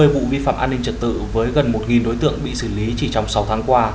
bốn trăm sáu mươi vụ vi phạm an ninh trật tự với gần một đối tượng bị xử lý chỉ trong sáu tháng qua